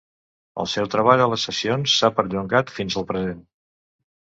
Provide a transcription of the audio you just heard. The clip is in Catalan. El seu treball a les sessions s'ha perllongat fins al present.